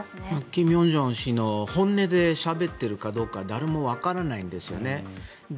金与正氏の本音でしゃべっているかどうか誰もわからないんですよね。